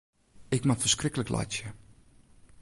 Ik moat ferskriklik laitsje.